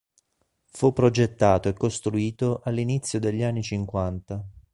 Fu progettato e costruito all'inizio degli anni cinquanta.